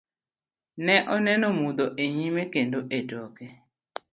Ne oneno mudho enyime kendo e toke.